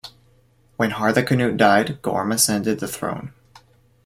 When Harthacnut died, Gorm ascended the throne.